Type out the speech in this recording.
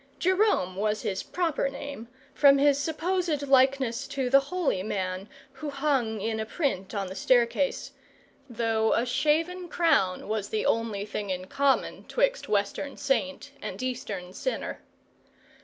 Jerome was his proper name, from his supposed likeness to the holy man who hung in a print on the staircase; though a shaven crown was the only thing in common 'twixt Western saint and Eastern sinner.